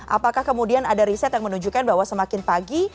apakah kemudian ada riset yang menunjukkan bahwa semakin pagi